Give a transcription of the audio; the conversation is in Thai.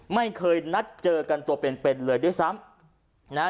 ไม่เคยนัดเจอกันตัวเป็นเลยด้วยซ้ำ